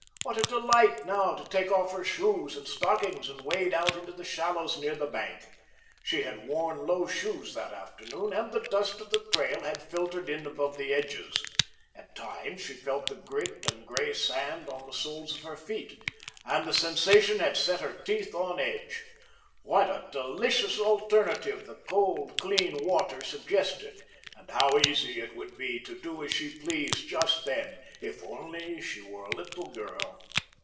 What a delight now to take off her shoes and stockings and wade out into the shallows near the bank! She had worn low shoes that afternoon, and the dust of the trail had filtered in above the edges. At times, she felt the grit and grey sand on the soles of her feet, and the sensation had set her teeth on edge. What a delicious alternative the cold, clean water suggested, and how easy it would be to do as she pleased just then, if only she were a little girl.